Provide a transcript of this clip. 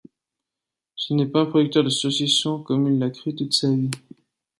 Ce n'est pas un producteur de saucisson, comme il l'a cru toute sa vie.